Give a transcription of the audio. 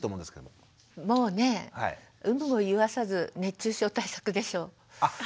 もうね有無を言わさず熱中症対策でしょう。